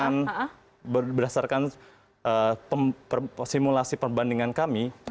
dengan berdasarkan simulasi perbandingan kami